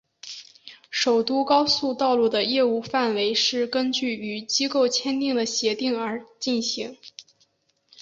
首都高速道路的业务范围是根据与机构签订的协定而进行。